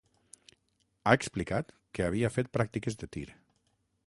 Ha explicat que havia fet pràctiques de tir.